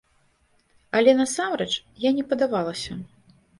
Але насамрэч, я не падавалася.